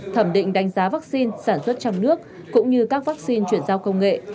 thẩm định đánh giá vaccine sản xuất trong nước cũng như các vaccine chuyển giao công nghệ